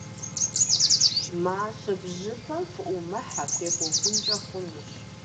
Мащэ бжьэпэм фыӏумыхьэ, фехуэхынкӏэ хъунущ.